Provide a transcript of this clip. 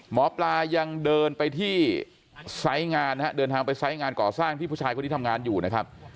หมอปลายังเดินไปที่ไซส์งานนะฮะเดินทางไปไซส์งานก่อสร้างที่ผู้ชายคนนี้ทำงานอยู่นะครับ